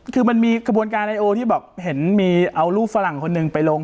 คือมันมีกระบวนการไอโอที่บอกเห็นมีเอารูปฝรั่งคนหนึ่งไปลง